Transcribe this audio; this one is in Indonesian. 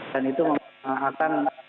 dan itu akan